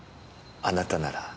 あなたなら。